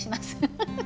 フフフフ。